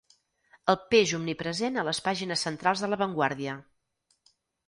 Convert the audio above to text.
El peix omnipresent a les pàgines centrals de La Vanguardia.